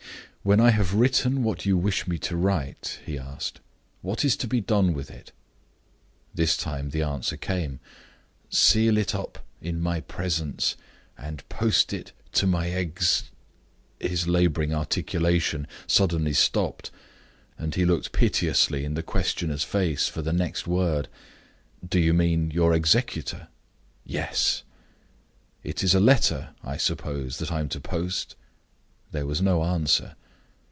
"When I have written what you wish me to write," he asked, "what is to be done with it?" This time the answer came: "Seal it up in my presence, and post it to my ex " His laboring articulation suddenly stopped and he looked piteously in the questioner's face for the next word. "Do you mean your executor?" "Yes." "It is a letter, I suppose, that I am to post?" There was no answer.